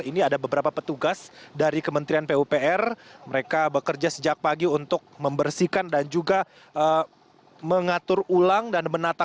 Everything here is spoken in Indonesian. ini ada beberapa petugas dari kementerian pupr mereka bekerja sejak pagi untuk membersihkan dan juga